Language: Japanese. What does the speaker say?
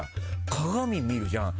鏡見るじゃん。